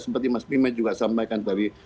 seperti mas bima juga sampaikan tadi